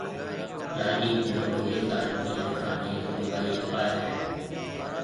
لاڏِي ڀيڙو ھيَََڪ آڏمِي ھان ھيَََڪ لوگائِي آئيَ ھيََََ